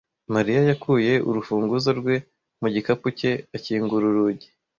Mariya yakuye urufunguzo rwe mu gikapu cye akingura urugi.